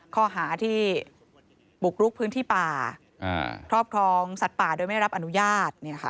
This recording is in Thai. ข้อหาที่บุกรุกพื้นที่ป่าครอบครองสัตว์ป่าโดยไม่รับอนุญาต